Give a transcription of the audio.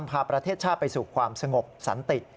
พาประเทศชาติไปสู่ความสงบสันติ